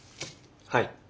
はい。